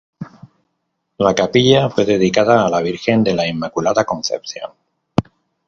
La capilla fue dedicada a la Virgen de la Inmaculada Concepción.